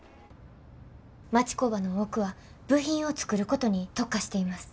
町工場の多くは部品を作ることに特化しています。